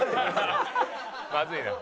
まずいな。